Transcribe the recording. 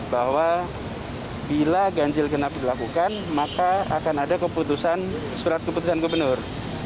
bahwa bila ganjil genap dilakukan maka akan ada keputusan surat keputusan gubernur